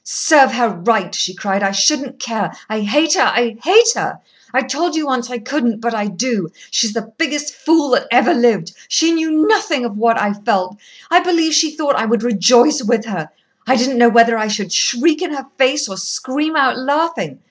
"Serve her right," she cried. "I shouldn't care. I hate her! I hate her! I told you once I couldn't, but I do. She's the biggest fool that ever lived. She knew nothing of what I felt. I believe she thought I would rejoice with her. I didn't know whether I should shriek in her face or scream out laughing.